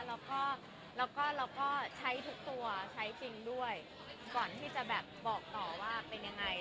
แล้วก็เราก็ใช้ทุกตัวใช้จริงด้วยก่อนที่จะแบบบอกต่อว่าเป็นยังไง